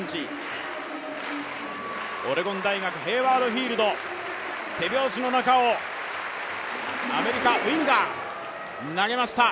オレゴン大学、ヘイワード・フィールド、手拍子の中を、アメリカ、ウィンガー投げました。